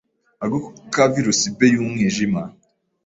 Agakoko ka Virus B y’umwijima,